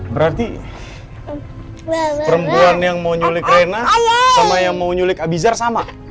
berarti perempuan yang mau nyulik rena sama yang mau nyulik abizar sama